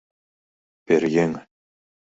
— Пӧръеҥ.